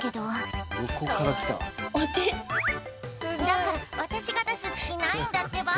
だから私が出す隙ないんだってば。